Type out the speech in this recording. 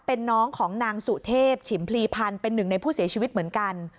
เป็นน้องของนางสุเทพฉิมพลีพันธ์เป็นหนึ่งในผู้เสียชีวิตเหมือนกัน